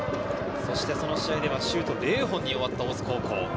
そしてその試合ではシュート０本に終わった大津高校。